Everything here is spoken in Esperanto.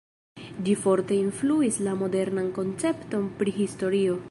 Ĝi forte influis la modernan koncepton pri historio.